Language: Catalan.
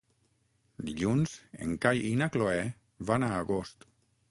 Dilluns en Cai i na Cloè van a Agost.